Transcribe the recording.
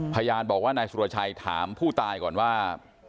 พยานบอกว่านายสุรชัยถามผู้ตายก่อนว่า